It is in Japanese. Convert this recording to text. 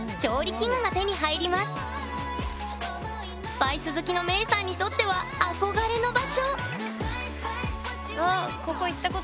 スパイス好きのメイさんにとっては憧れの場所うわっ。